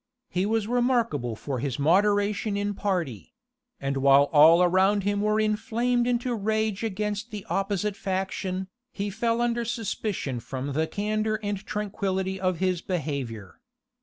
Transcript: He was remarkable for his moderation in party; and while all around him were inflamed into rage against the opposite faction, he fell under suspicion from the candor and tranquillity of his behavior.